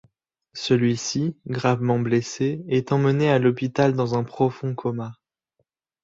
Celle-ci, gravement blessée, est emmenée à l'hôpital dans un profond coma.